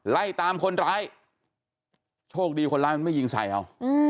ไล่ตามคนร้ายโชคดีคนร้ายมันไม่ยิงใส่เอา